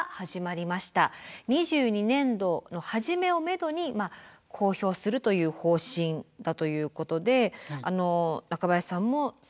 ２２年度の初めをめどに公表するという方針だということで中林さんも参加なさってるんですよね